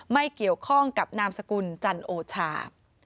ไม่เกี่ยวข้องกับนามสกุลจันโอชา